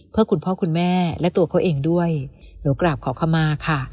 เพื่อคุณพ่อคุณแม่และตัวเขาเองด้วยหนูกราบขอขมาค่ะ